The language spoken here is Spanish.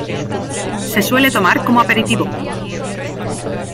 Se suele tomar como aperitivo.